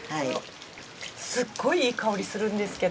すっごいいい香りするんですけど。